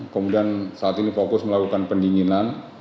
kemudian saat ini fokus melakukan pendinginan